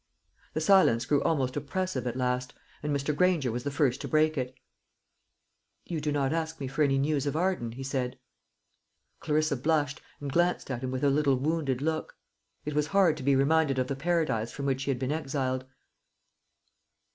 The silence grew almost oppressive at last, and Mr. Granger was the first to break it. "You do not ask me for any news of Arden," he said. Clarissa blushed, and glanced at him with a little wounded look. It was hard to be reminded of the paradise from which she had been exiled.